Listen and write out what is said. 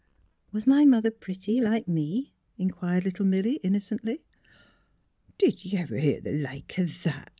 " Was my mother pretty, like me? " inquired little Milly, innocently. '' Did you ever hear th' like o' that!